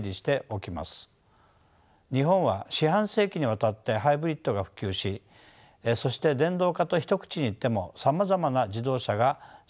日本は四半世紀にわたってハイブリッドが普及しそして電動化と一口に言ってもさまざまな自動車が市販されております。